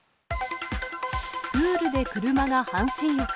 プールで車が半身浴。